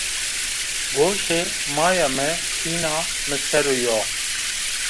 Goşê maya mi hîna mi ser o yo.